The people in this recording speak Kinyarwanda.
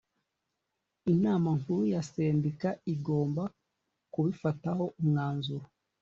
inama nkuru ya sendika igomba kubifataho umwanzuro